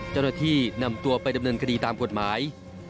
เจ้าหน้าที่นำตัวไปดำเนินคดีตามกฎหมาย